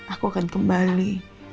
aku akan kembali